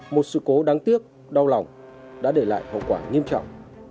một sự cố đáng tiếc đau lòng đã để lại hậu quả nghiêm trọng